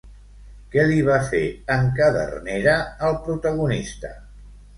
Què li va fer en Cadernera al protagonista?